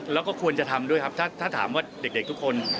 แล้วก็ควรจะทำด้วยครับถ้าถามว่าเด็กทุกคน